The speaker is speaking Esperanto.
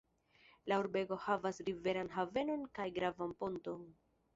La urbego havas riveran havenon kaj gravan ponton.